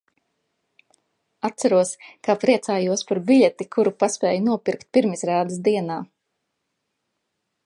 Atceros, kā priecājos par biļeti, kuru paspēju nopirkt pirmizrādes dienā.